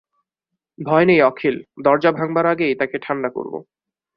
ভয় নেই অখিল, দরজা ভাঙবার আগেই তাকে ঠাণ্ডা করব।